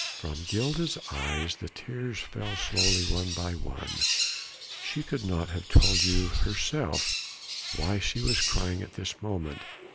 From Gilda's eyes the tears fell slowly one by one. She could not have told you herself why she was crying at this moment.